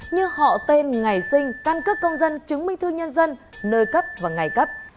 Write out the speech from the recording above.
như họ tên ngày sinh căn cước công dân chứng minh thư nhân dân nơi cấp và ngày cấp